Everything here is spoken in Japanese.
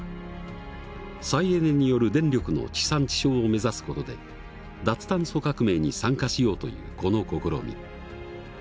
再エネによる電力の地産地消を目指す事で脱炭素革命に参加しようというこの試み。